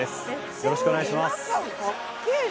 よろしくお願いします